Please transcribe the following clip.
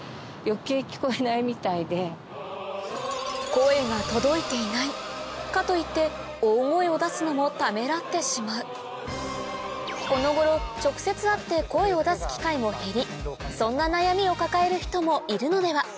声が届いていないかといって大声を出すのもためらってしまうこの頃直接会って声を出す機会も減りそんな悩みを抱える人もいるのでは？